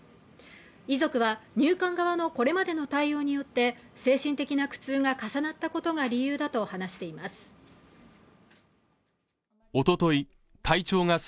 遺族は入管側のこれまでの対応によって精神的な苦痛が重なったことが理由だと話しています